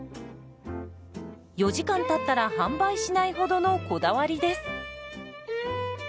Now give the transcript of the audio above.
４時間たったら販売しないほどのこだわりです。